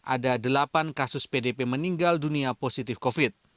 ada delapan kasus pdp meninggal dunia positif covid